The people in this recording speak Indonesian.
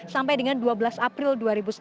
sampai dengan dua belas april dua ribu sembilan belas